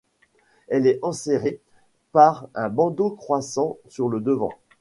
Elle est enserrée par un bandeau croissant sur le devant.